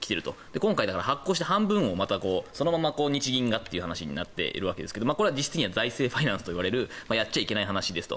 今回、発行して半分をまたそのまま日銀がという話になっているわけですがこれは実質には財政ファイナンスといわれるやっちゃいけない話ですと。